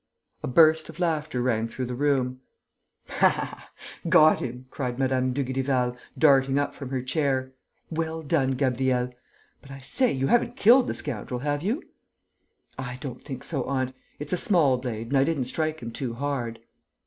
A burst of laughter rang through the room: "Got him!" cried Mme. Dugrival, darting up from her chair. "Well done, Gabriel! But, I say, you haven't killed the scoundrel, have you?" "I don't think so, aunt. It's a small blade and I didn't strike him too hard."